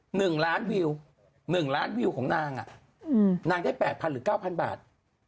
หนึ่งล้านวิวหนึ่งล้านวิวของนางอ่ะอืมนางได้แปดพันหรือเก้าพันบาท